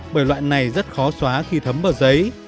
bởi loại này rất khó xóa khi thấm vào giấy